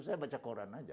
saya baca koran saja